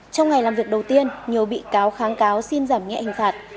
trong ngày làm việc đầu tiên nhiều bị cáo kháng cáo xin giảm nhẹ hình phạt